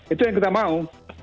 itu yang kita mau